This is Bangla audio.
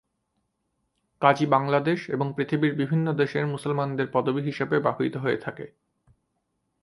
কাজী বাংলাদেশ এবং পৃথিবীর বিভিন্ন দেশের মুসলমানদের পদবি হিসেবে ব্যবহৃত হয়ে থাকে।